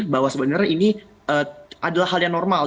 bahwa sebenarnya ini adalah hal yang normal